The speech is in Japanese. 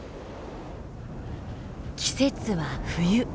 季節は冬。